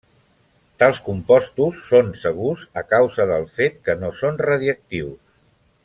Tals compostos són segurs a causa del fet que no són radioactius.